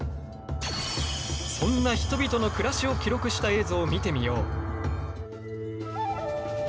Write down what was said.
そんな人々の暮らしを記録した映像を見てみよう。